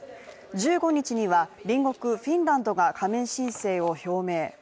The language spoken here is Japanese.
１５日には隣国フィンランドが加盟申請を表明。